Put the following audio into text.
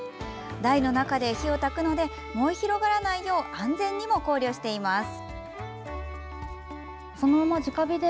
台の中で火をたくので燃え広がらないよう安全にも考慮しています。